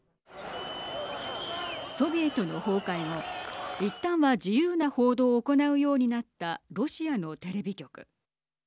ソビエトの崩壊後いったんは自由な報道を行うようになったロシアのテレビ局。